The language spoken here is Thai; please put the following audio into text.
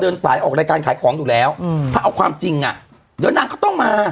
สายออกรายการขายของอยู่แล้วอืมถ้าเอาความจริงอ่ะเดี๋ยวนางก็ต้องมา